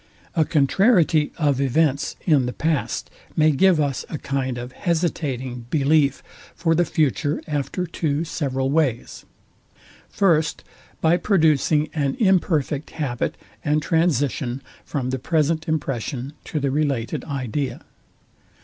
A contrariety of events in the past may give us a kind of hesitating belief for the future after two several ways. First, By producing an imperfect habit and transition from the present impression to the related idea.